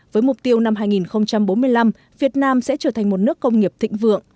với mục tiêu năm hai nghìn bốn mươi năm việt nam sẽ trở thành một nước công nghiệp thịnh vượng